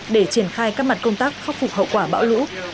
để triển khai các mặt công tác khắc phục hậu quả bão lũ